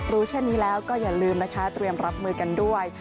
รู้เช่นนี้แล้วก็อย่าลืมนะคะเตรียมรับมือกันด้วย